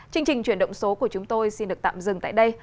chương trình chuyển động số của chúng tôi xin được tạm dừng tại đây